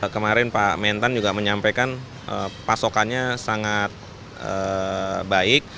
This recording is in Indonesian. kemarin pak mentan juga menyampaikan pasokannya sangat baik